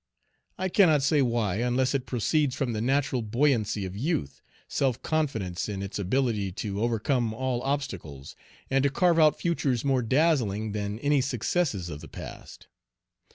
I cannot say why, unless it proceeds from the natural buoyancy of youth, self confidence in its ability to overcome all obstacles, and to carve out futures more dazzling than any successes of the past.